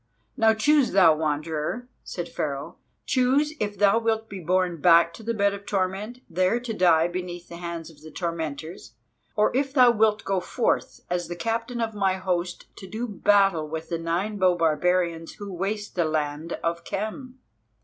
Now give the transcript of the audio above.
"Now choose, thou Wanderer," said Pharaoh: "choose if thou wilt be borne back to the bed of torment, there to die beneath the hands of the tormentors, or if thou wilt go forth as the captain of my host to do battle with the Nine bow barbarians who waste the land of Khem.